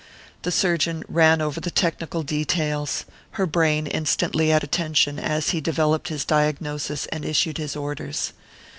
The surgeon ran over the technical details, her brain instantly at attention as he developed his diagnosis and issued his orders.